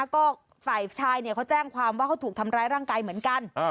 ก็ฝ่ายชายเขาแจ้งความว่าเขาถูกทำร้ายร่างกายเหมือนกัน